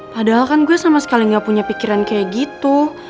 padahal kan gue sama sekali gak punya pikiran kayak gitu